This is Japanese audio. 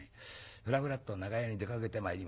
ふらふらっと長屋に出かけてまいります。